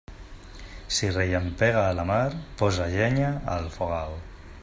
Si rellampega a la mar, posa llenya al fogal.